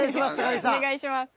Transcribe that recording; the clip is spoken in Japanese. お願いします